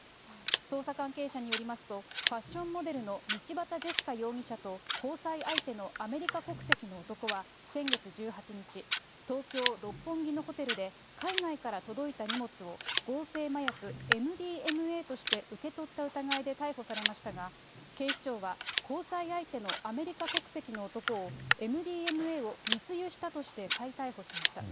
捜査関係者によりますと、ファッションモデルの道端ジェシカ容疑者と交際相手のアメリカ国籍の男は先月１８日、東京・六本木のホテルで、海外から届いた荷物を合成麻薬ＭＤＭＡとして受け取った疑いで逮捕されましたが、警視庁は交際相手のアメリカ国籍の男をＭＤＭＡを密輸したとして再逮捕しました。